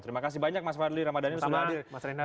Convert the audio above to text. terima kasih banyak mas fadli ramadhani mas renat